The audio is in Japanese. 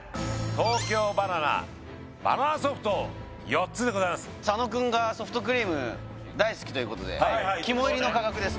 東京ばな奈ばな奈ソフト４つでございます佐野くんがソフトクリーム大好きということで肝いりの価格です